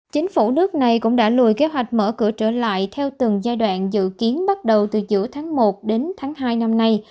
chính phủ nước này cũng đã lùi kế hoạch mở cửa trở lại theo từng giai đoạn dự kiến bắt đầu từ giữa tháng một đến tháng hai năm nay